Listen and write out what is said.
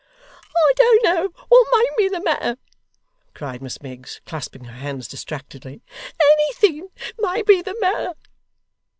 'I don't know what mayn't be the matter!' cried Miss Miggs, clasping her hands distractedly. 'Anything may be the matter!